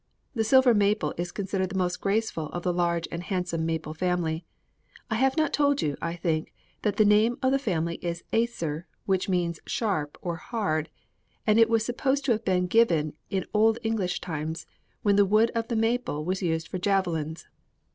The silver maple is considered the most graceful of the large and handsome maple family. I have not told you, I think, that the name of the family is Acer, which means 'sharp' or 'hard,' and it was supposed to have been given in old English times when the wood of the maple was used for javelins.